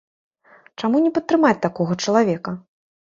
Чаму не падтрымаць такога чалавека?